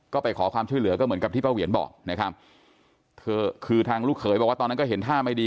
ก็ไปขอความช่วยเหลือก็เหมือนกับที่ป้าเหวียนบอกนะครับเธอคือทางลูกเขยบอกว่าตอนนั้นก็เห็นท่าไม่ดี